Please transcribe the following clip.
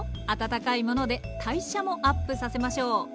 温かいもので代謝もアップさせましょう。